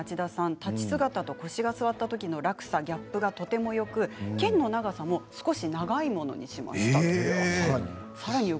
立ち姿と腰が座ったときの落差ギャップがとてもよく剣の長さ少し長いものにしました。